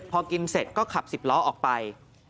พอกินเสร็จก็ขับ๑๐ล้อออกไป